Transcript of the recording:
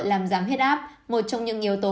làm giảm hết áp một trong những yếu tố